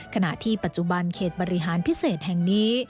ขณะที่ปัจจุบันเขตบริหารพิเศษแห่งนี้